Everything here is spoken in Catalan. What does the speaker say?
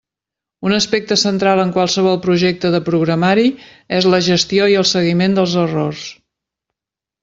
Un aspecte central en qualsevol projecte de programari és la gestió i el seguiment dels errors.